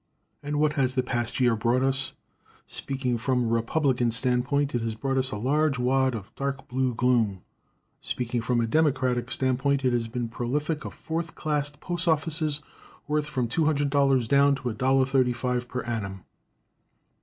And what has the past year brought us? Speaking from a Republican standpoint, it has brought us a large wad of dark blue gloom. Speaking from a Democratic standpoint, it has been very prolific of fourth class postoffices worth from $200 down to $1.35 per annum.